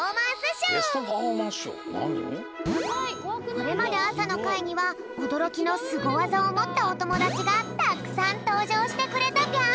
これまであさのかいにはおどろきのスゴわざをもったおともだちがたくさんとうじょうしてくれたぴょん。